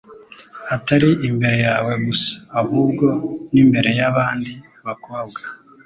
atari imbere yawe gusa ahubwo n'imbere y'abandi bakobwa.